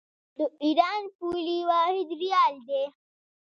د ایران پولي واحد ریال دی.